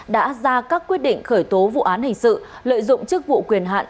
đã ra các quyết định khởi tố vụ án hình sự lợi dụng chức vụ quyền hạn